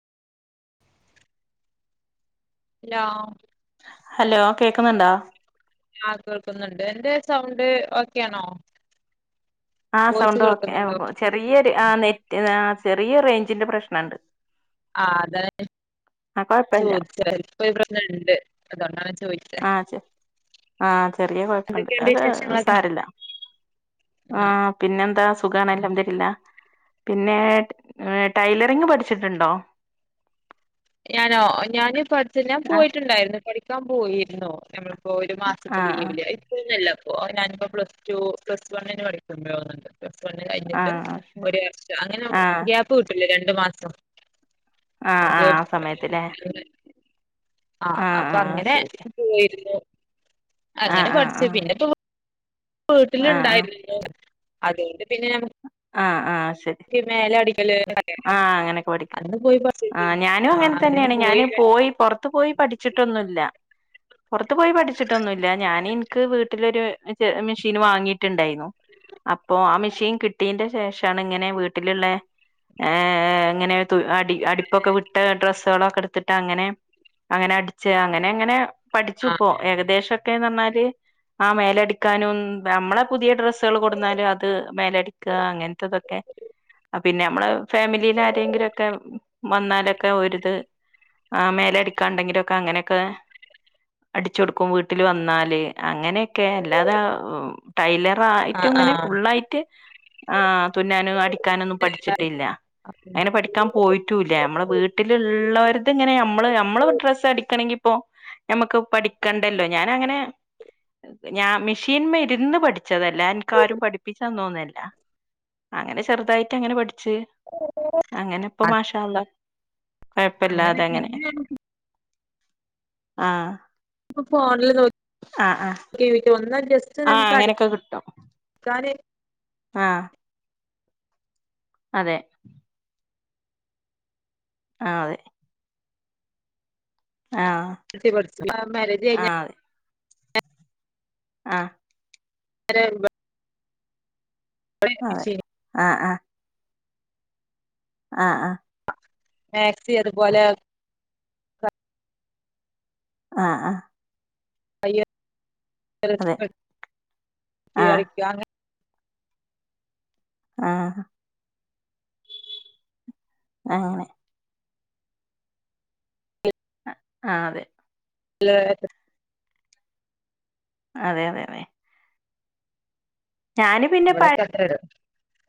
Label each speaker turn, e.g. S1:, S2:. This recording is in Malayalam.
S1: ഇല്ല.
S2: ഹലോ കേക്കുന്നുണ്ടോ?
S1: ആ കേൾക്കുന്നുണ്ട് എന്റെ സൗണ്ട് ഓക്കെയാണോ?
S2: ആ
S1: വോയിസ്
S2: സൗണ്ട് ഓക്കെ
S1: കേൾക്കുന്നില്ലോ
S2: ചെറിയൊരു ആ നെറ്റ് ചെറിയ റേഞ്ചിന്റെ പ്രശ്നം ഉണ്ട്.
S1: ആഹ് അതാ ഞാൻ
S2: ആ കൊഴപ്പല്ല
S1: ചോദിച്ചേ ഇപ്പ ഒരു പ്രശ്നം ഉണ്ട് അതൊണ്ടാണ്.
S2: ആഹ് ചെ ആഹ് ചെറിയ കൊഴപ്പുണ്ട്
S1: എന്തൊക്കെയുണ്ട്
S2: അത്
S1: വിശേഷങ്ങളൊക്കെ
S2: സാരയില്ല.
S1: ആ
S2: ആഹ് പിന്നെന്താ. സുഖാണല്ലോ, അൽഹംദുലില്ലാഹ് പിന്നെ ടൈലറിങ് പഠിച്ചിട്ടുണ്ടോ? [inaudible]
S1: ഞാനോ ഞാൻ പഠിച്ച ഞാൻ
S2: ആ
S1: പോയിട്ടുണ്ടായിരുന്നു, പഠിക്കാൻ പോയിരുന്നു നമ്മള് ഇപ്പൊ ഒരു മാസത്തെ
S2: ആ
S1: ലീവില് ഇപ്പൊന്നല്ല ഇ ഞാനിപ്പോ പ്ലസ് ടു പ്ലസ് വണ്ണിന് പഠിക്കുമ്പോഴൊ തോന്നണുണ്ട്. പ്ലസ് വണ്ണ്
S2: ആ
S1: കഴിഞ്ഞിട്ട്
S2: ആ ശരി
S1: ഒരു വർഷം അങ്ങനെ
S2: ആ
S1: ഗ്യാപ്പ് കിട്ടൂലേ രണ്ടു മാസം.
S2: ആഹ് ആഹ് ആ സമയത്തില്ലേ.
S1: ആഹ്
S2: ആ
S1: അപ്പൊ
S2: ആ
S1: അങ്ങനെ
S2: ശരി
S1: പോയിരുന്നു,
S2: ആ
S1: അങ്ങനെ
S2: ആ ആ
S1: പഠിച്ചു പിന്നിപ്പോ
S2: ആ
S1: വീട്ടിലുണ്ടായിരുന്നു അതുകൊണ്ട് പിന്നെ ഞ
S2: ആ ആ ആ ശരി
S1: നിക്ക് മേലെ അടിക്കല് ഒക്കെ
S2: ആ
S1: അറിയാം,
S2: അങ്ങനെയൊക്കെ പഠിക്ക
S1: അന്ന് പോയി
S2: ആ
S1: പഠിച്ചിട്ടില്ലായിരുന്നോ.
S2: ഞാനും അങ്ങനെ തന്നെയാണ് ഞാന് പോയി പുറത്തു പോയി പഠിച്ചിട്ടൊന്നു ഇല്ല. പൊറത്തു പോയി പഠിച്ചിട്ടൊന്നുല്ല ഞാനിൻക്ക് വീട്ടിലൊരുഇത് മിഷീൻ വാങ്ങിട്ട്ണ്ടായ്ന്നു അപ്പൊ ആ മെഷീൻ കിട്ടീന്റെ ശേഷാണ് ഇങ്ങനെ വീട്ടില്ള്ളെ ഏർ അങ്ങനെതു അടി അടിപ്പൊക്കെ വിട്ട ഡ്രസ്സോളൊക്കെടുത്തിട്ടങ്ങനെ അങ്ങനെ അടിച്ച് അങ്ങനെ അങ്ങനെ പഠിച്ചു
S1: ആ
S2: പോ ഏകദേശംക്കെന്നർഞ്ഞാല് ആ മേലടിക്കാനും ഞമ്മളെ പുതിയ ഡ്രസ്സ് സ്സെള് കൊട്ന്നാലും അത് മേലടിക്ക അങ്ങൻത്തെഇതൊക്കെ അ പിന്നെ നമ്മള് ഫാമിലിലാരെങ്കിലൊക്കെ വന്നാലൊക്കെ ഓര്ത് ആ മേലെ അടിക്കാണ്ടെങ്കിലൊക്കെ അങ്ങനൊക്കെ അടിചൊടുക്കും വീട്ടില് വന്നാല് അങ്ങനെയൊക്കെ അല്ലാതെ ടൈലർ
S1: ആ
S2: റായ്റ്റും
S1: ആ
S2: ഇങ്ങനെ ഫുള്ളായ്റ്റ് ആ തുന്നാനോ അടിക്കാനൊന്നും പഠിച്ചിട്ടില്ല അങ്ങനെ പഠിക്കാൻ പോയ്റ്റുല്ല ഞമ്മള് വീട്ടിലുള്ളോരത് ഇങ്ങനെ നമ്മള് നമ്മള് ഡ്രസ്സ് അടിക്കണെങ്കി ഇപ്പൊ ഞമ്മക്ക് പഠിക്കണ്ടല്ലോ ഞാനങ്ങനെ ഞാൻ മിഷീൻമ്മിരുന്ന് പഠിച്ചതല്ല എൻക്കാരും പഠിപ്പിച്ചന്നോന്നല്ല അങ്ങനെ ചെറുതായിറ്റങ്ങനെ പഠിച്ച് അങ്ങനെ ഇപ്പ മാഷാഅല്ലാഹ്‌
S1: അങ്ങനെ
S2: കൊഴപ്പല്ലാതങ്ങനെ
S1: പിന്നെ നമുക്ക്
S2: ആഹ
S1: ഇപ്പ ഫോണ്ല് നോക്കി ഒന്ന ജസ്റ്റ്‌
S2: ആഹ അങ്ങനൊക്കെ കിട്ടും
S1: [inaudible]
S2: ആഹ അതെ ആ അതെ ആ
S1: [unintelligible] അ മേരേജ് കയ്ഞ്ഞ
S2: ആഹ
S1: അരെ ബ [unintelligible]
S2: അതെ ആഹ് ആഹ ആഹ് ആഹ്
S1: മേക്സി അത് പോലെ പ
S2: ആഹ് ആഹ് അതെ
S1: [unintelligible]
S2: ആഹ്
S1: ക്കാ അങ്ങനെ
S2: ആഹ് ആഹ് ആ അതെ
S1: ഹലോ
S2: അതെ അതെ അതെ ഞാന് പിന്നെ പഴ
S1: ഇവടെക്കെ അത്രട